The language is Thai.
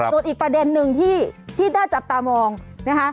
ส่วนอีกประเด็นนึงที่น่าจับตามองนะคะ